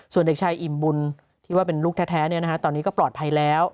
ส่วนเด็กชายอิ่มบุญที่ว่าเป็นลูกแท้ตอนนี้ก็ปลอดภัยแล้ว